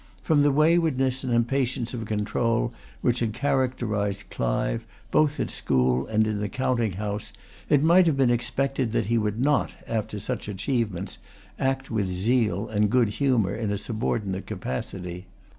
From the waywardness and impatience of control which had characterised Clive, both at school and in the counting house, it might have been expected that he would not, after such achievements, act with zeal and good humour in a subordinate capacity.